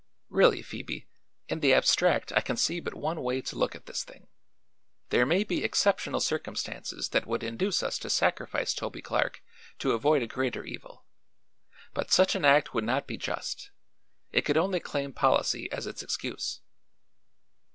Really, Phoebe, in the abstract I can see but one way to look at this thing. There may be exceptional circumstances that would induce us to sacrifice Toby Clark to avoid a greater evil; but such an act would not be just; it could only claim policy as its excuse."